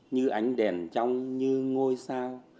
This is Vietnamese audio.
như ánh đèn trong như ngôi sao